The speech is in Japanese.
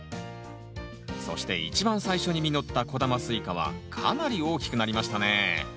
そして一番最初に実った小玉スイカはかなり大きくなりましたね